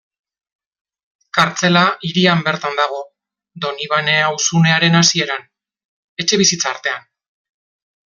Kartzela hirian bertan dago, Donibane auzunearen hasieran, etxebizitza artean.